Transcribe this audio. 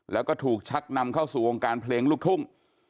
แล้วก็ถูกชักนำเข้าสู่วงการเพลงลูกทุ่ง